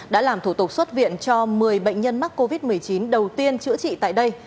đã làm thủ tục xuất viện cho một mươi bệnh nhân mắc covid một mươi chín đầu tiên chữa trị tại đây